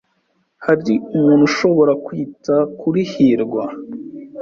Hari umuntu ushobora kwita kuri hirwa?